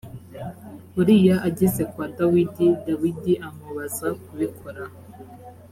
uriya ageze kwa dawidi dawidi amubaza kubikora